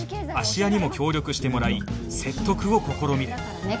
芦屋にも協力してもらい説得を試みるだからね